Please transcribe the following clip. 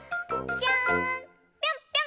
ぴょんぴょんぴょん！